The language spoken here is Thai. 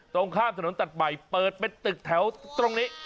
ตรงข้ามถนนตัดใหม่เปิดเป็นตึกแถวตรงนี้